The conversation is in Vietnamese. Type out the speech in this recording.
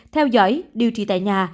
theo dõi điều trị tại nhà